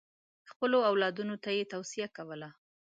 خپلو اولادونو ته یې توصیه کوله.